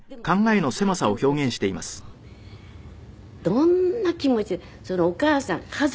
どんな気持ちでそのお母さん家族。